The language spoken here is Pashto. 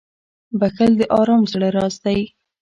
• بښل د ارام زړه راز دی.